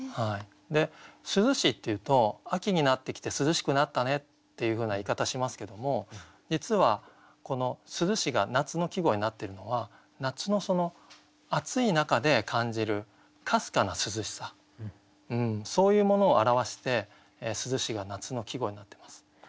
「涼し」っていうと秋になってきて涼しくなったねっていうふうな言い方しますけども実はこの「涼し」が夏の季語になってるのは夏の暑い中で感じるかすかな涼しさそういうものを表して「涼し」が夏の季語になってます。